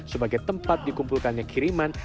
sebagai tempat dikumpulkannya kiriman